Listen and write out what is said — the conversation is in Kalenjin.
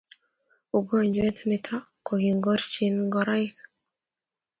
ugojwet nito kokingorchin ngoroik